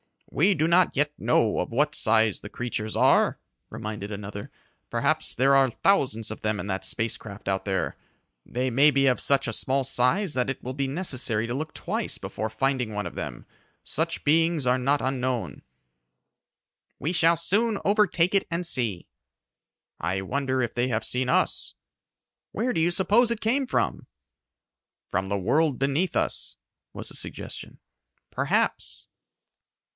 "We do not yet know of what size the creatures are," reminded another. "Perhaps there are thousands of them in that space craft out there. They may be of such a small size that it will be necessary to look twice before finding one of them. Such beings are not unknown." "We shall soon overtake it and see." "I wonder if they have seen us?" "Where do you suppose it came from?" "From the world beneath us," was the suggestion. "Perhaps."